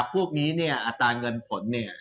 พวกนี้เนี่ยอัตราเงินผลเนี่ย